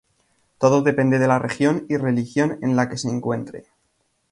Todo depende de la región y religión en la que se encuentre.